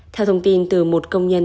theo thông tin từ một công nhân